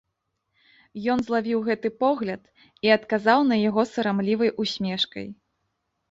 Ён злавіў гэты погляд і адказаў на яго сарамлівай усмешкай.